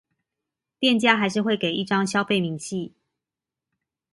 店家還是會給一張消費明細